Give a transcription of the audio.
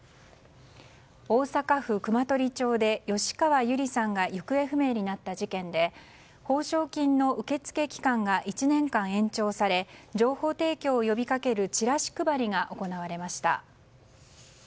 大阪府熊取町で吉川友梨さんが行方不明になった事件で報奨金の受付期間が１年間延長され情報提供を呼びかけるチラシ配りが行われました。